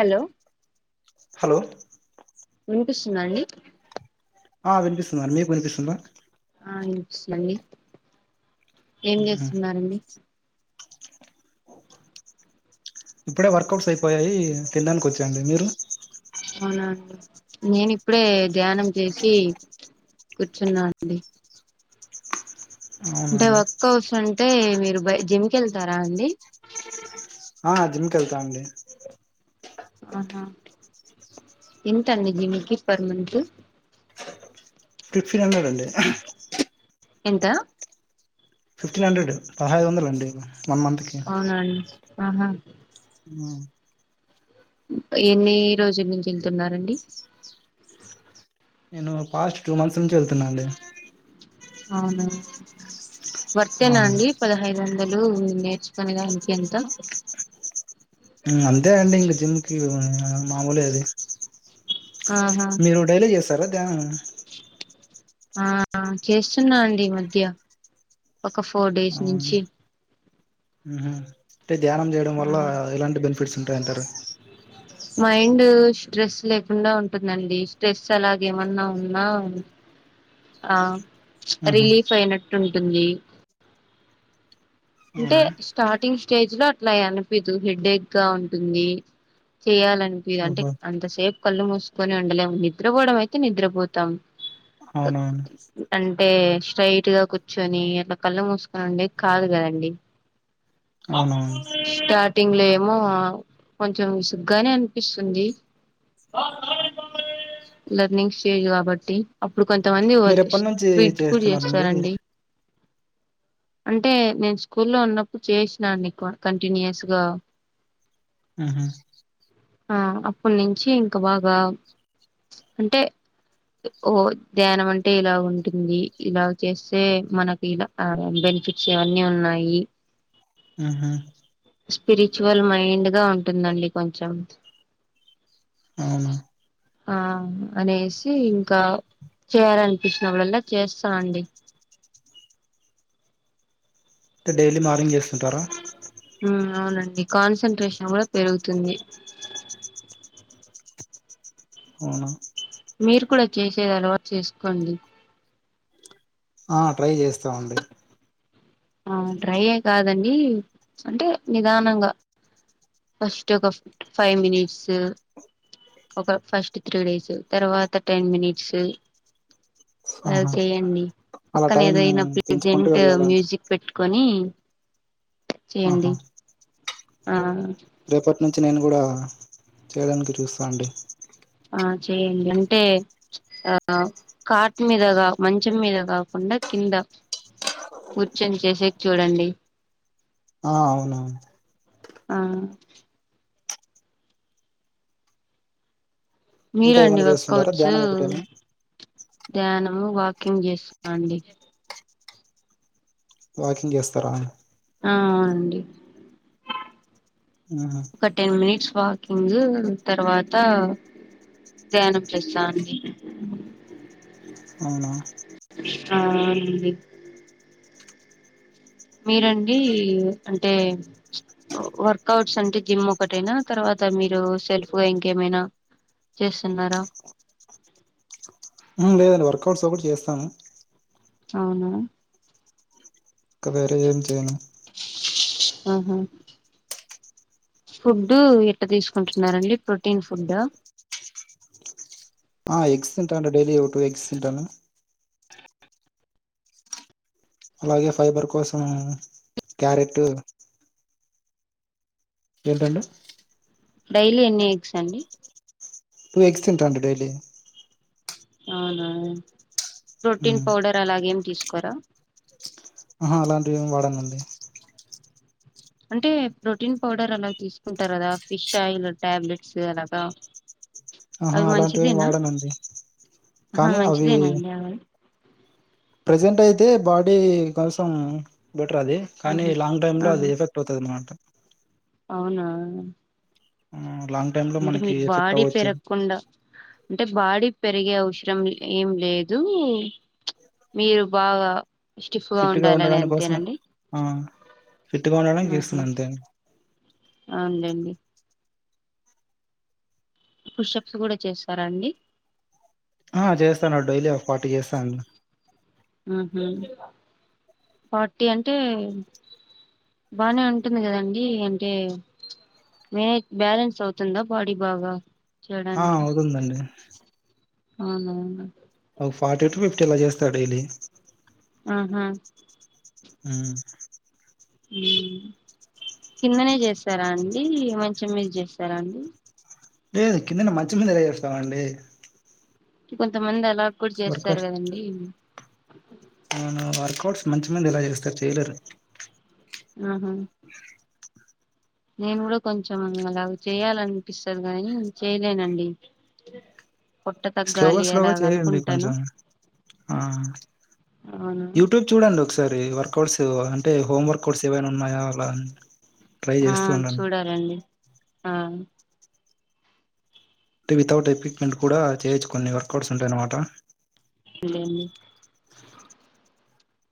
Hello hello వినిపిస్తుందా అండి ఆ వినిపిస్తుందండి మీకు వినిపిస్తుందా ఆ ఇండి ఏం చేస్తున్నారండి ఇప్పుడే వర్కౌట్స్ అయిపోయాయి తినడానికి వచ్చానండి మీరు అవునండి నేను ఇప్పుడే ధ్యానం చేసి కూర్చున్నా అండి అంటే అవునండి వర్క్ హౌస్ అంటే మీరు బ జిమ్ కి వెళ్తారా అండి ఆ జిమ్కి వెళ్తా అండి ఆహా ఎంత అండి జిమ్కి పర్ మంత్ ఫిఫ్టీన్ హండ్రెడ్ అండి ఎంత ఫిఫ్టీన్ హండ్రెడ్ పదహైదు వందలండి వన్ మంత్కి అవునాండి ఆహా హ్మ్ ఎన్ని రోజుల నుంచి వెళ్తున్నారండి నేను పాస్ట్ టూ మంత్స్ నుంచి వెళ్తున్నాండి అవునా ఆ వర్తేనా అండి పదహైదు వందలు నేర్చుకునే దానికి ఎంత అంతే అండి ఇంక జిమ్ కి మామూలే అది ఆహా మీరు డైలీ చేస్తారా ధ్యానం ఆ చేస్తున్నా అండి ఈ మధ్య ఒక ఫోర్ డేస్ అవును నుంచి అంటే ధ్యానం చేయడం వల్ల ఎలాంటి బెనిఫిట్స్ ఉంటాయంటారు మైండ్ స్ట్రెస్ లేకుండా ఉంటుందండి స్ట్రెస్ అలాగేమన్నా ఉన్నా ఆ ఉహు రిలీఫ్ అయినట్టు ఉంటుంది అంటే అవునా స్టార్టింగ్ స్టేజ్ లో అట్లా అయను హెడేక్ గా ఉంటుంది చెయాలనిపిదు అంటే ఓహో అంతసేపు కళ్ళు మూసుకొని ఉండలేం నిద్రపోవడం అయితే నిద్రపోతాం క అవునవును అంటే స్ట్రైట్ గా కూర్చొని అట్లా కళ్ళు మూసుకొని ఉండే కాదు కదండి అండి అవునవును స్టార్టింగ్ లో ఏమో కొంచెం విసుగ్గానే అనిపిస్తుంది లర్నింగ్స్ స్టేజ్ కాబట్టి అప్పుడు కొంతమంది మీరు వచ్ ఎప్పటి నుంచి స్వీట్ కూడా చేస్తున్నారండి చేస్తారండి అంటే నేను స్కూల్లో ఉన్నప్పుడు చేసినా అండి క కంటిన్యూస్ గా మ్ హ్మ్ ఆ అప్పున్నుంచి ఇంకా బాగా ప్చ్ అంటే ఓ ధ్యానం అంటే ఇలా ఉంటుంది ఇలా చేస్తే మనకి ఇలా ఆ బెనిఫిట్స్ ఇవన్నీ ఉన్నాయి ఆహ స్పిరిచువల్ మైండ్ గా ఉంటుందండి కొంచెం అవునా హా అనేసి ఇంకా చేయాలనిపించినప్పుడళ్ళా చేస్తానండి అంటే డైలీ మార్నింగ్ చేస్తుంటారా హ్మ్ అవునండి కాన్సన్ ట్రేషన్ కూడా పెరుగుతుంది అవునా మీరు కూడా చేసేది అలవాటు చేసుకోండి ఆ ట్రై చేస్తామండి అ డ్రైయే కాదండి అంటే నిదానంగా ఫస్ట్ ఒక ఫైవ్ మినిట్స్ ఒక ఫస్ట్ త్రీ డేస్ తర్వాత టెన్ మినిట్స్ అలా ఆహా చేయండి అలా పక్కన టైం ఏదైనా పెంచుకుంటూ ప్లెజెంట్ వెళ్ళాలండి మ్యూజిక్ పెట్టుకొని ఆహా చేయండి ఆ రేపటి నుంచి నేను గుడా చేయడానికి చూస్తా అండి ఆ చేయండి అంటే ఆ కాట్ మీదగా మంచం మీద కాకుండా కింద కూర్చొని చేసేకి చూడండి ఆ అవును ఆ ఇంకా మీరండి ఏమైనా చేస్తుంటారా వర్కౌట్స్ ధ్యానం ఒకటేనా ధ్యానము వాకింగ్ చేసుకొండి వాకింగ్ చేస్తారా ఆ అండి మ్ హు ఒక టెన్ మినిట్స్ వాకింగ్ తర్వాత ధ్యానం చేస్తా అండి అవునా అ అండి మీరండి అంటే ప్చ్ వర్కౌట్స్ అంటే జిమ్ ఒకటేనా తర్వాత మీరు సెల్ఫ్గా ఇంకేమైనా చేస్సున్నారా హ్మ్ లేదండి వర్కౌట్స్ కూడా చేస్తాను అవునా ఇంక వేరే ఏం చేయను అహు ఫుడ్డు ఎట్ట తీసుకుంటున్నారండి ప్రోటీన్ ఫుడ్ ఆ ఎగ్గ్స్ తింటాను అండి డైలీ ఒక టూ ఎగ్స్ తింటాను అలాగే ఫైబర్ కోసం క్యారెట్ ఏంటండి డైలీ ఎన్ని ఎగ్స్ అండి టూ ఎగ్స్ తింటాను అండి డైలీ అవునా ప్రోటీన్ పౌడర్ అలాగేమి తీసుకోరా ఆహా అలాంటివి ఏమి వాడనండి అంటే ప్రోటీన్ పౌడర్ అలా తీసుకుంటారు గదా ఫిష్ ఆయిల్ టాబ్లెట్స్ అలాగా ఆహా అవి అలాంటివి ఏమి మంచిదేనా వాడనండి ఆహా కానీ మంచిదేనా అండి అవి ప్రెజెంట్ అయితే బాడీ కోసం బెటర్ అది కానీ ఆహా లాంగ్ టైమ్ లో అది ఆహా ఎఫెక్ట్ పోతది అనమాట అవునా ఆ లాగ్ అంటే మీక్ బాడీ పెరగకుండా అంటే బాడీ పెరిగే అవసరం ఏం లేదు చ్ మీరు బాగా స్టిఫ్గా ఫిట్ గా ఉండాలని ఉండడానికి కోసం అంతేనండి ఆ ఫిట్ గా ఉండడానికి ఆహ చేస్తున్నా అంతే అండి. అవునులేండి పుషప్స్ గూడా చేస్తారాండి ఆ చేస్తానుడు డైలీ ఒక ఫార్టీ చేస్తా అండి ఆహ ఫార్టీ అంటే బానే ఉంటుంది కదండి అంటే మేక్ బ్యాలెన్స్ అవుతుందా బాడీ బాగా ఆ అవుతుందండి అవునా ఒక ఫార్టీ టు ఫిఫ్టీ అలా చేస్తా డైలీ ఆహా ఉమ్ కిందనే చేస్తారా అండి మంచం మీద చేస్తారా అండి లేదు కిందనే మంచ మీద ఎలా జేస్తామండి కొంతమంది అలా గూడా చేస్తారు వర్కౌట్స్ కదండి వర్కౌట్స్ మంచి మంది ఎలా చేస్తారు చెయ్యలేరు ఆహ నేను గూడా కొంచెం అలాగ చేయాలనిపిస్తది గానీ చేయలేనండి పొట్ట స్లోగా తగ్గాలి స్లోగా అలాగ చేయండి అనుకుంటాను కొంచెం ఆ అవును యూట్యూబ్ చూడండి ఒకసారి వర్కఅౌట్స్ అంటే హోమ్ వర్కౌట్స్ ఏవైనా ఉన్నాయా అలాని ఆ చూడాలండి ఆ అంటే వితౌట్ ఎక్విప్మెంట్ కూడా చేయొచ్చు కొన్ని వర్కౌట్స్ ఉంటాయఅనమాట చూడ లెండి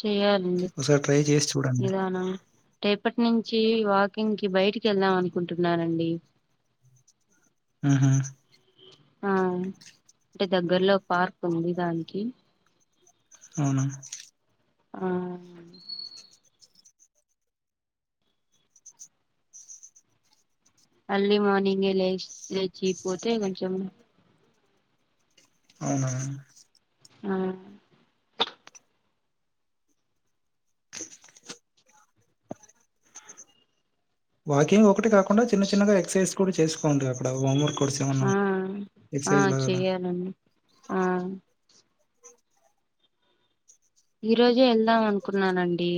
చెయ్యాలి అండి ఒకసారి ట్రై చేసి చూడండి నిదానం రేపటి నుంచి వాకింగ్ కి బయటికి ఎళ్దాం అనుకుంటున్నానండి ఉహు ఆ అంటే దగ్గర్లో పార్క్ ఉంది దానికి అవునా ఆ అర్లీ మార్నింగే లే లేచిపోతే కొంచెం అవునా ఆ వాకింగ్ ఒకటి కాకుండా చిన్న చిన్నగా ఎక్సర్సైజ్ కూడా చేసుకోండి అక్కడ హోంవర్క్ ఆ ఆ చేయాలండి ఆ ఈ రోజే వెళ్దాం అనుకున్నానండి.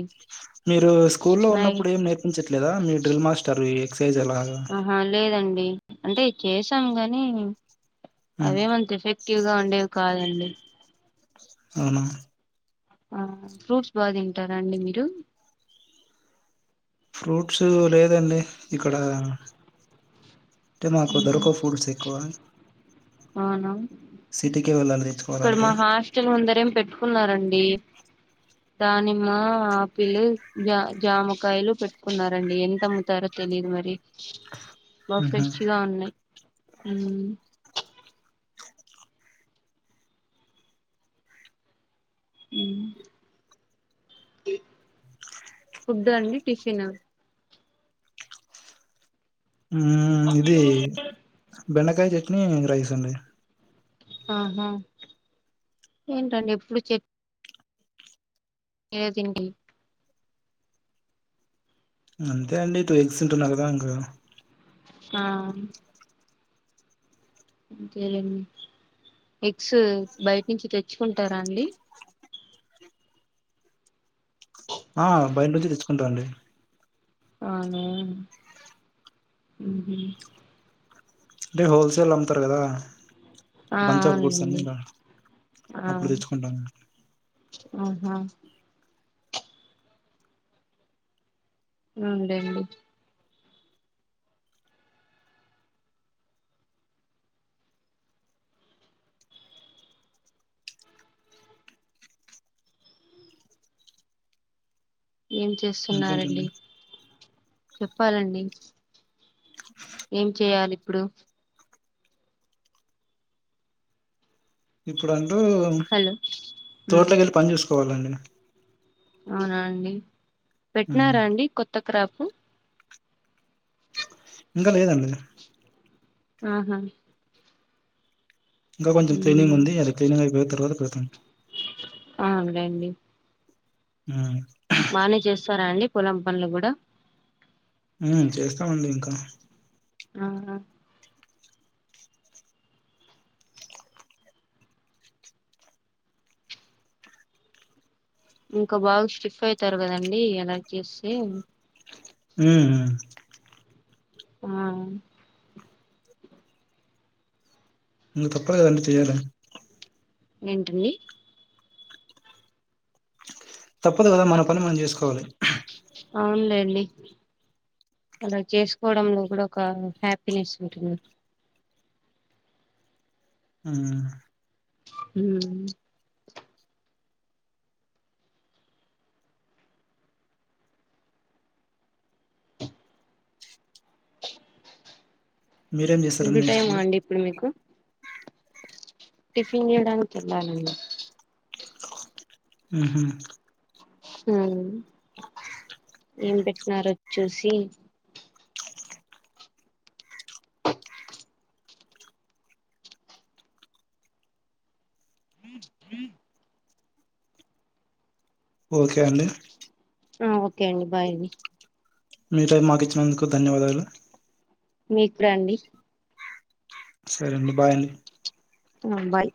మీరు స్కూ లో నై ఉన్నప్పుడు ఏం నేర్పించట్లేదా మీ డ్రిల్ మాస్టర్ ఈ ఎక్సర్సైజ్ ఎలాగ ఆహా లేదండి అంటే చేసాం గాని ఉమ్ అవేమంత ఎఫెక్ట్ ఎక్టివ్ గా ఉండేవి కాదండి. అహ ఆ ఫ్రూట్స్ బాగా తింటారా అండి మీరు ఫ్రూట్స్ లేదండి ఇక్కడ అంటే మాకు ఉహు దొరకవ్ ఫుడ్స్ ఎక్కువ అవునా సిటీకే వెళ్ళాలి ఇక్కడ మా తెచ్చుకోవాలంటే హాస్టల్ ముందర ఏం పెట్టుకున్నారండి దానిమ్మ ఆపిల్ జా జామకాయలు పెట్టుకున్నారండి ఎంత అమ్ముతారో తెలియదు మరి బా ఉహు ఫ్రెష్గా ఉంటాయి ఫుడ్ అండి టిఫిన్ ఇది బెండకాయ చట్నీ రైస్ అండి ఆహా ఏంటండి ఎప్పుడు చె ఏ తిండి అంతే అండి టూ ఎగస్ంటున్నారు కదా ఇంక ఆ అంతేండి ఎగ్స్ బయట నుంచి తెచ్చుకుంటారా అండి ఆ బయట నుంచి తెచ్చుకుంటా అండి. ఆహా అంటే హోల్సేల్ అమ్ముతారు కదా ఆ బంచ్ ఆఫ్ గుడ్స్ అని అవునండి ఇలా ఆ అప్పుడు తెచ్చుకుంటాను ఆహా ఉండండి ఏం చేస్తున్నారండి ఇంకేంటండి చెప్పాలండి. ఏం చేయాలి ఇప్పుడు. ఇప్పుడు అంటూ హలో ఉమ్ తోటలోకి వెళ్ళి పని చేసుకోవాలండి. అవునా అండి మ్మ్ పెట్టినారా అండి కొత్త క్రాపు. ఇంకా లేదండి ఆహా ఇంకా కొంచెం క్లీనింగ్ ఉమ్ ఉంది అది క్లీనింగ్ అయిపోయిన తర్వాత పెడతాం అవున్లెండి ఆ బానే చేస్తారా అండి పొలం పనులు కూడా ఉ చేస్తామండి ఇంకా. ఆ హా ఇంకా బాగు స్టిఫ్ అయితారు కదండి ఎలా చేస్తే ఉ ఉ ఆ నువ్వు తప్పుగ కనిపిస్తే చేయవులే ఏంటండి తప్పదు కదా మన పని మనం చేసుకోవాలి అవునులేండి. అలా చేసుకోవడంలో కూడా ఒక హ్యాపీనెస్ ఉంటుంది ఉమ్ ఉమ్మ్ మీరేం ఫుడ్ చేస్తారండి నెక్స్ట్ టైమా అండి ఇప్పుడు మీకు టిఫిన్ చేయడానికి ఎళ్ళాలండి మ్మ్ఉమ్మ్ ఉమ్మ్ ఏం పెట్టినారో చూసి ఓకే అండి ఆ ఓకే అండి బాయ్ అండి మీ టైం మాకు ఇచ్చినందుకు ధన్యవాదాలు మీకూడా అండి సరే అండి బాయ్ అండి ఆ బాయ్